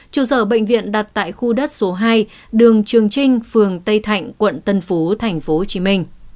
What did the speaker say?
trụ sở bệnh viện đặt tại khu đất số hai đường trường trinh phường tây thạnh quận tân phú tp hcm